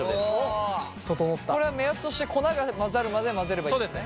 これは目安として粉が混ざるまで混ぜればいいんですね。